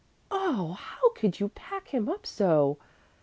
"Oh, how could you pack him up so!